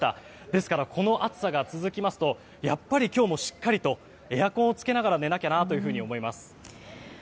ですから、この暑さが続きますとやっぱり今日もしっかりとエアコンをつけながら寝なきゃなと思います。